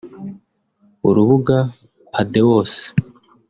urubuga Patheos